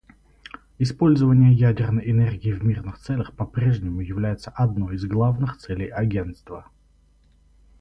Использование ядерной энергии в мирных целях по-прежнему является одной из главных целей Агентства.